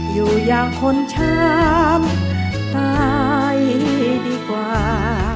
อยู่อย่างคนช้ำตายดีกว่า